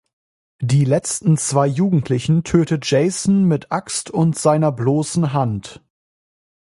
Die letzten zwei Jugendlichen tötet Jason mit Axt und seiner bloßen Hand.